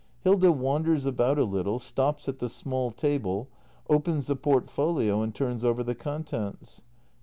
[Hilda wanders about a little, stops at the small table, opens the portfolio and turns over the contents.